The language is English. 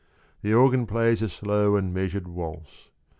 The organ plays a slow and measured waltz.